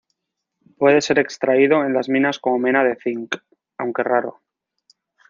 Puede ser extraído en las minas como mena de cinc, aunque raro.